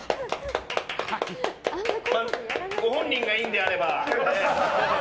ご本人がいいんであれば。